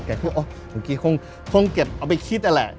แกคิดว่าอ๋อเหมือนกี้คงเก็บเอาไปคิดแหละ